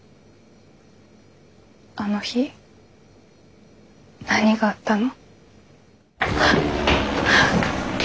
あの日何があったの？